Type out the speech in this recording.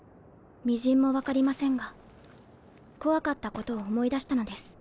微塵も分かりませんが怖かったことを思い出したのです。